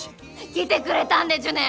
来てくれたんでちゅね！？